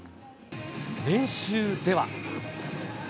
練習では。